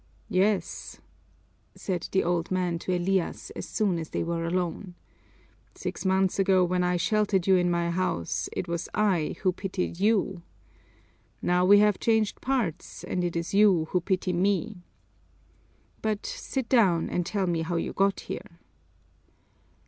"Yes!" said the old man to Elias as soon as they were alone. "Six months ago when I sheltered you in my house, it was I who pitied you. Now we have changed parts and it is you who pity me. But sit down and tell me how you got here."